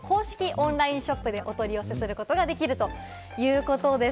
オンラインショップでお取り寄せすることができるということです。